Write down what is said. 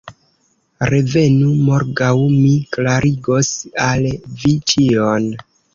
Revenu morgaŭ: mi klarigos al vi ĉion.